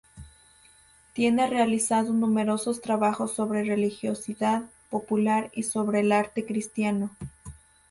Tiene realizado numerosos trabajos sobre religiosidad popular y sobre el Arte Cristiano.